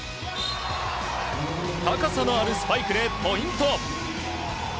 高さのあるスパイクでポイント。